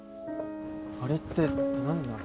あれって何なの？